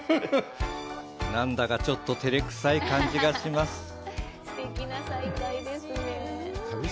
なんだかちょっと照れくさい感じがします。